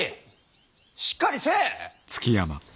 しっかりせい！